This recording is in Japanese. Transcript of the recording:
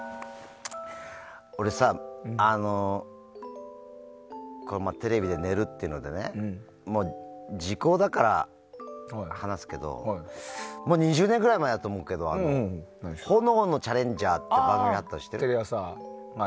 俺さテレビで寝るっていうので時効だから話すけどもう２０年ぐらい前だと思うけど「炎のチャレンジャー」って番組あったの知ってる？